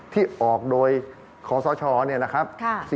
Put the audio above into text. ที่ออกโดยขอสชเนี่ยนะครับ